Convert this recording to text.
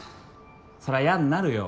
そりゃあ嫌になるよ。